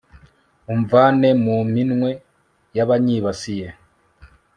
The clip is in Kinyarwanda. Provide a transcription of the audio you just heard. umvane mu minwe y'abanyibasiye